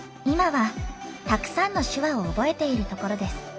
今は、たくさんの手話を覚えているところです。